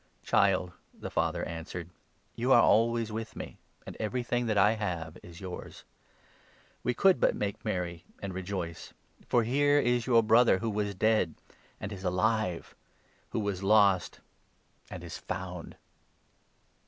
'Child,' the father answered, 'you are always with me, 31 and everything that I have is yours. We could but make merry 32 and rejoice, for here is your brother who was dead, and is alive ; who was lost, and is found.